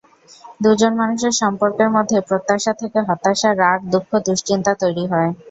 দুজন মানুষের সম্পর্কের মধ্যে প্রত্যাশা থেকে হতাশা, রাগ, দুঃখ, দুশ্চিন্তা তৈরি হয়।